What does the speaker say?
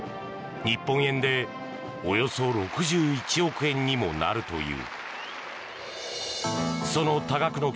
日本円でおよそ６１億円にもなるという。